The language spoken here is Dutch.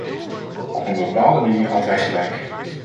Op een bepaalde manier had hij gelijk.